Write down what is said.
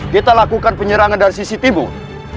kita lakukan penyerangan dari sisi tubuh